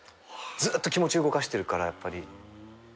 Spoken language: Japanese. ずっと気持ち動かしてるからやっぱり。